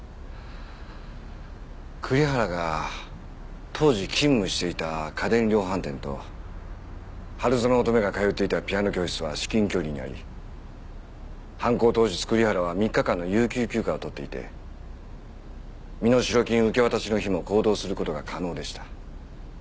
栗原が当時勤務していた家電量販店と春薗乙女が通っていたピアノ教室は至近距離にあり犯行当日栗原は３日間の有給休暇を取っていて身代金受け渡しの日も行動する事が可能でした。